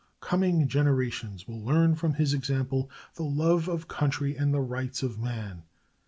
Coming generations will learn from his example the love of country and the rights of man.